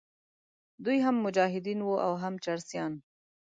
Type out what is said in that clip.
دوی هم مجاهدین وو او هم چرسیان.